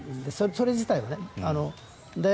それ自体はね。